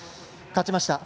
勝ちました。